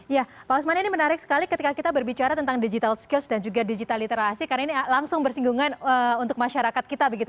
ya pak usman ini menarik sekali ketika kita berbicara tentang digital skills dan juga digital literasi karena ini langsung bersinggungan untuk masyarakat kita begitu